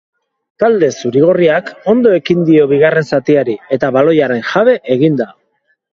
Talde zuri-gorriak ondo ekin dio bigarren zatiari eta baloiaren jabe egin da.